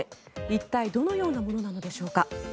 一体どのようなものなのでしょうか。